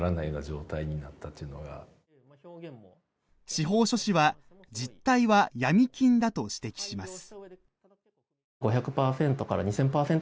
司法書士は実態はヤミ金だと指摘します。